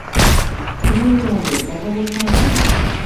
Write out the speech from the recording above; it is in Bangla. কি হল তোমাদের, কথা বলছ না কেন?